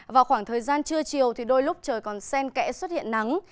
vào khoảng thời gian trưa chiều thì đôi lúc trời còn sen kẽ xuất hiện nắng